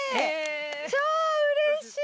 超うれしい！